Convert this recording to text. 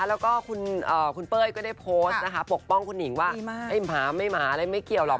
แล้วก็คุณเป้ยก็ได้โพสต์ปกป้องคุณหญิงว่าหมาไม่ขยับหมา